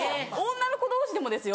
女の子同士でもですよ。